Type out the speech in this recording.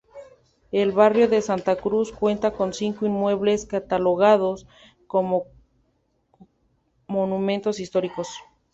El barrio de la Santa Cruz cuenta con cinco inmuebles catalogados como monumentos históricos.